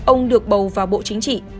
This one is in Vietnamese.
ông được bầu vào bộ chính trị